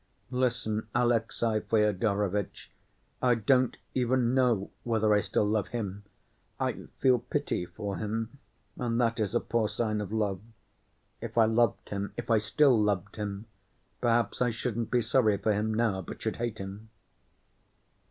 Listen, Alexey Fyodorovitch. I don't even know whether I still love him. I feel pity for him, and that is a poor sign of love. If I loved him, if I still loved him, perhaps I shouldn't be sorry for him now, but should hate him."